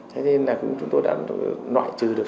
thế nên là chúng tôi đã nọi trừ được